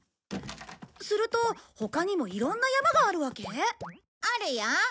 すると他にもいろんな山があるわけ？あるよ。